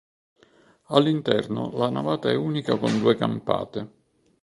All'interno la navata è unica con due campate.